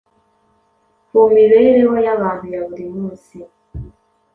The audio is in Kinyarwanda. ku mibereho y’abantu ya buri munsi.